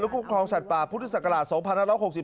และคุมครองสัตว์ป่าพุทธศักราช